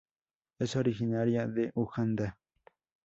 Es originaria de Uganda.